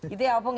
itu ya opung ya